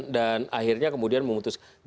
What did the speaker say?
dan akhirnya kemudian memutuskan